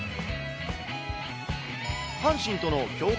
阪神との強化